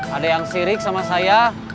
ada yang sirik sama saya